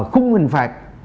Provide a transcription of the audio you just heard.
khung hình phạt